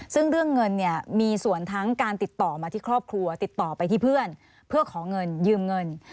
ซึ่งเรื่องเงินเนี่ยมีส่วนทั้งการติดต่อมาที่ครอบครัวติดต่อไปที่เพื่อนเพื่อขอเงินยืมเงิน